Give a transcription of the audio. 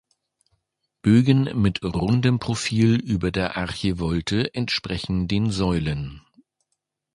Bögen mit rundem Profil über der Archivolte entsprechen den Säulen.